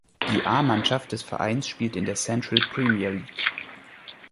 Die A-Mannschaft des Vereins spielt in der Central Premier League.